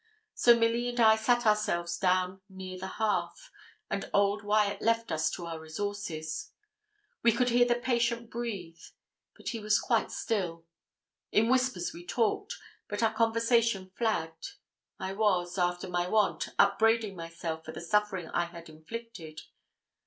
So Milly and I sat ourselves down near the hearth, and old Wyat left us to our resources. We could hear the patient breathe; but he was quite still. In whispers we talked; but our conversation flagged. I was, after my wont, upbraiding myself for the suffering I had inflicted.